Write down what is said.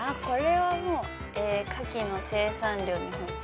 「カキの生産量日本一」